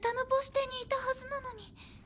亭にいたはずなのに。